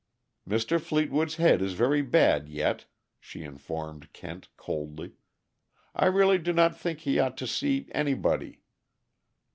"Mr. Fleetwood's head is very bad yet," she informed Kent coldly. "I really do not think he ought to see anybody."